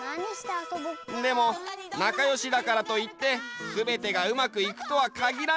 でもなかよしだからといってすべてがうまくいくとはかぎらない。